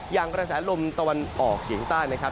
กระแสลมตะวันออกเฉียงใต้นะครับ